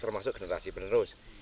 termasuk generasi berterus